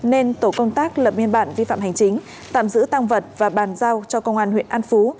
nên tổ công tác lập biên bản vi phạm hành chính tạm giữ tăng vật và bàn giao cho công an huyện an phú